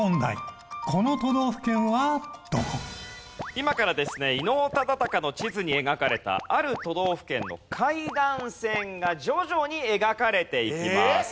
今からですね伊能忠敬の地図に描かれたある都道府県の海岸線が徐々に描かれていきます。